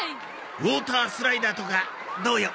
ウォータースライダーとかどうよ？